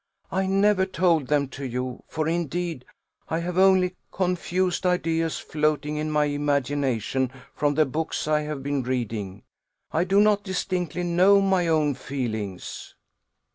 I never told them to you; for, indeed, I have only confused ideas floating in my imagination from the books I have been reading. I do not distinctly know my own feelings."